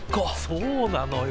そうなのよ。